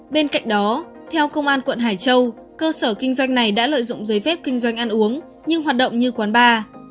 bên cạnh đó theo công an quận hải châu cơ sở kinh doanh này đã lợi dụng giấy phép kinh doanh ăn uống nhưng hoạt động như quán bar